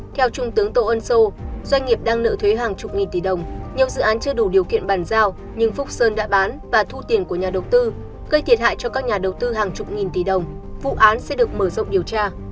theo trung tướng tô ân sô doanh nghiệp đang nợ thuế hàng chục nghìn tỷ đồng nhiều dự án chưa đủ điều kiện bàn giao nhưng phúc sơn đã bán và thu tiền của nhà đầu tư gây thiệt hại cho các nhà đầu tư hàng chục nghìn tỷ đồng vụ án sẽ được mở rộng điều tra